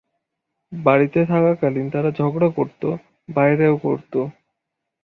বাড়িতে থাকাকালীন তারা ঝগড়া করত, বাইরেও করত।